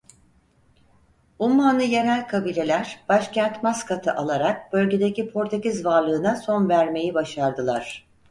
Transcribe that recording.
Ummanlı yerel kabileler başkent Maskat'ı alarak bölgedeki Portekiz varlığına son vermeyi başardılar.